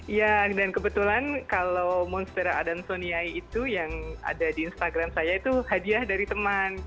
iya dan kebetulan kalau monstera adansoniai itu yang ada di instagram saya itu hadiah dari teman